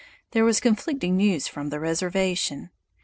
There was conflicting news from the reservation.